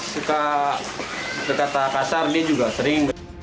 suka berkata kasar dia juga sering